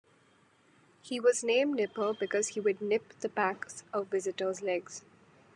He was named Nipper because he would "nip" the backs of visitors' legs.